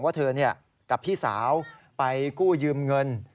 ว่าเธอกับพี่สาวไปกู้ยืมเงิน